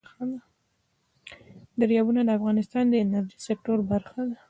دریابونه د افغانستان د انرژۍ سکتور برخه ده.